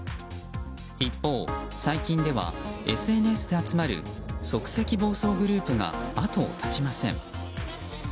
一方、最近ではＳＮＳで集まる即席暴走グループが後を絶ちません。